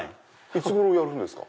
いつ頃やるんですか？